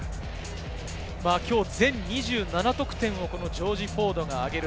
きょう全２７得点をジョージ・フォードが挙げる